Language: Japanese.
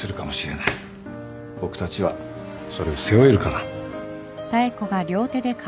僕たちはそれを背負えるかな？